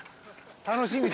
楽しみ。